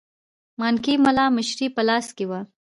مانکي مُلا مشري په لاس کې وه.